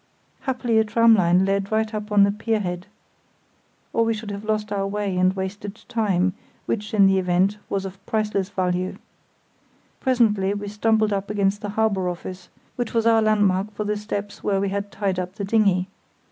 Happily a tramline led right up to the pier head, or we should have lost our way and wasted time, which, in the event, was of priceless value. Presently we stumbled up against the Harbour Office, which was our landmark for the steps where we had tied up the dinghy.